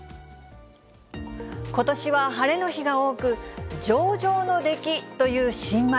ことしは晴れの日が多く、上々の出来という新米。